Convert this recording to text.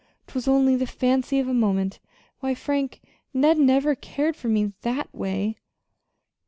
'Twas only the fancy of a moment. Why, Frank, Ned never cared for me that way!"